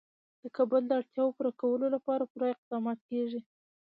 د کابل د اړتیاوو پوره کولو لپاره پوره اقدامات کېږي.